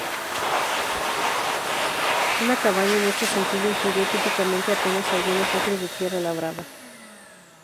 Una cabaña, en este sentido, incluiría típicamente apenas algunos acres de tierra labrada.